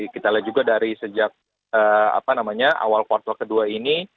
kita lihat juga dari sejak awal kuartal kedua ini